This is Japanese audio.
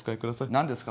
何ですか？